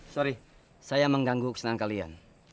sorry saya mengganggu kesenangan kalian